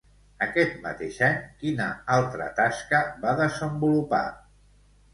Aquest mateix any, quina altra tasca va desenvolupar?